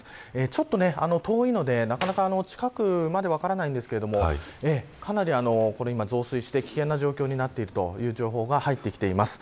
ちょっと遠いのでなかなか近くまで分からないんですがかなり増水して、危険な状況になっているという情報が入ってきています。